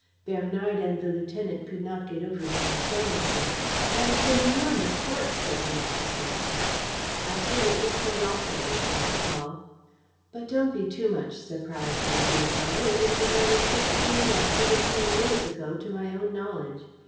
Bernard and the lieutenant could not get over their astonishment: "Why, it's an enormous work!" said the officer. "Absolutely colossal!" replied Paul. "But don't be too much surprised, my dear fellow. It was begun sixteen or seventeen years ago, to my own knowledge.